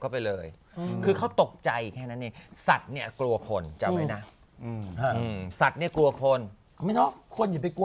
เผื่อว่าคุณตื่นก็จะได้ไม่ฟื้น